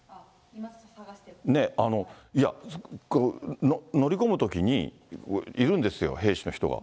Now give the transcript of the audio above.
いや、乗り込むときに、いるんですよ、兵士の人が。